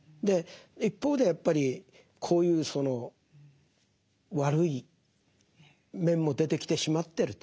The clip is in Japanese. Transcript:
一方でやっぱりこういうその悪い面も出てきてしまってると。